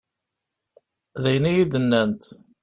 D ayen i yi-d-nnant.